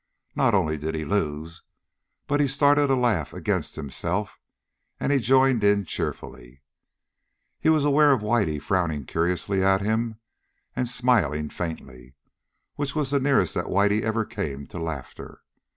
Not only did he lose, but he started a laugh against himself, and he joined in cheerfully. He was aware of Whitey frowning curiously at him and smiling faintly, which was the nearest that Whitey ever came to laughter.